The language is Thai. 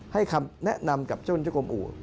ให้คำแนะนำกับเจ้าคุณเจ้ากรมอู่